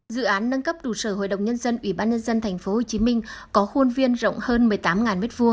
dự án nâng cấp trụ sở hội đồng nhân dân ủy ban nhân dân thành phố hồ chí minh có khuôn viên rộng hơn một mươi tám m hai